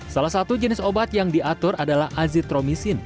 salah satu jenis obat yang diatur adalah azitromisin